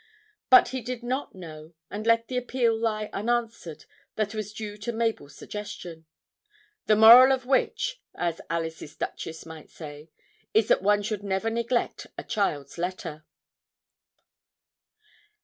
But he did not know, and let the appeal lie unanswered that was due to Mabel's suggestion 'the moral of which,' as Alice's Duchess might say, is that one should never neglect a child's letter.